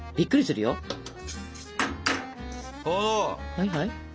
はいはい？